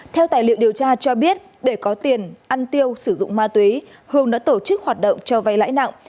theo tài liệu điều tra cho biết để có tiền ăn tiêu sử dụng ma túy hường đã tổ chức hoạt động cho vay lãi nặng